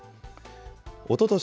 おととし